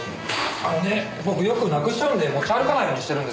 あのね僕よくなくしちゃうんで持ち歩かないようにしてるんですよ。